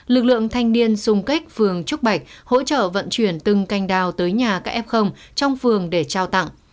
lực lượng thanh niên xung kích phường trúc bạch hỗ trợ vận chuyển từng cành đào tới nhà các f trong phường để trao tặng